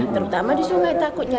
terutama di sungai takutnya